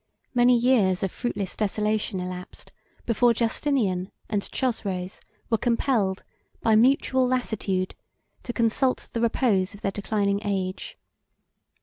Many years of fruitless desolation elapsed before Justinian and Chosroes were compelled, by mutual lassitude, to consult the repose of their declining age.